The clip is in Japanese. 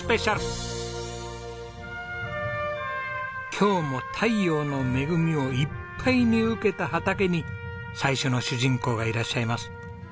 今日も太陽の恵みをいっぱいに受けた畑に最初の主人公がいらっしゃいます。